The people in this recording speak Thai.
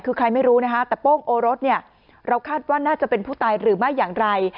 คือใครไม่รู้นะคะแต่โป้งโอรสเนี่ยเราคาดว่าน่าจะเป็นผู้ตายหรือไม่อย่างไร